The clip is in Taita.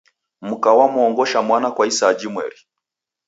Mka wamuongosha mwana kwa isaa jimweri.